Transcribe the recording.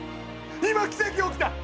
今奇跡起きた！